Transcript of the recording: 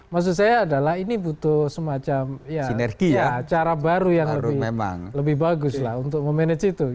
maksud saya adalah ini butuh semacam cara baru yang lebih bagus lah untuk memanage itu